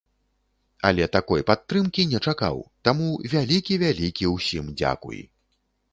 Але такой падтрымкі не чакаў, таму вялікі-вялікі усім дзякуй.